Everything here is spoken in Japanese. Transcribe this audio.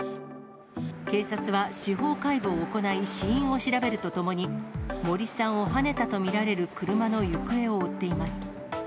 警察は司法解剖を行い、死因を調べるとともに、森さんをはねたと見られる車の行方を追っています。